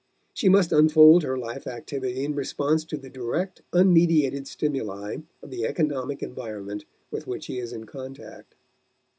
She must unfold her life activity in response to the direct, unmediated stimuli of the economic environment with which she is in contact.